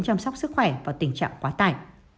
chăm sóc sức khỏe vào tình trạng quá tải